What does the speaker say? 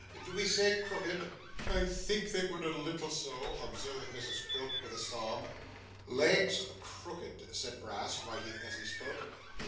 Do we say crooked?' 'I think they were a little so,' observed Mrs Quilp with a sob. 'Legs crooked,' said Brass, writing as he spoke.